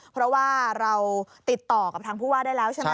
เพราะว่าเราติดต่อกับทางผู้ว่าได้แล้วใช่ไหม